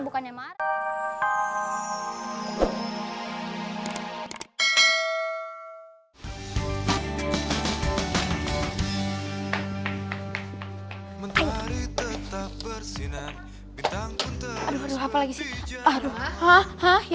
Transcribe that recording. aduh apa lagi sih